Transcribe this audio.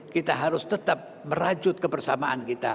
kita harus tetap merajut kebersamaan kita